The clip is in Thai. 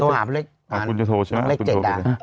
น้องเล็กจะโทรใช่มั้ย